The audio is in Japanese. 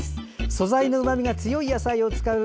素材のうまみが強い野菜を使う。